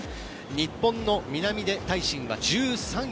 日本の南出大伸は１３位。